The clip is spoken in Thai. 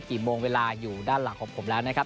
กี่โมงเวลาอยู่ด้านหลังของผมแล้วนะครับ